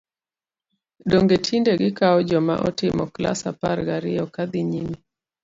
Donge tinde gikawo joma otimo klas apar gariyo ka dhi nyime!